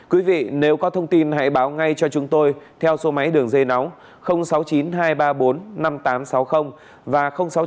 quý vị nếu có thông tin hãy báo ngay cho chúng tôi theo số máy đường dây nóng sáu mươi chín hai trăm ba mươi bốn năm nghìn tám trăm sáu mươi và sáu mươi chín hai trăm ba mươi một một nghìn sáu trăm